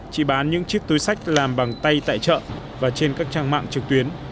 chị bán những chiếc túi sách làm bằng tay tại chợ và trên các trang mạng trực tuyến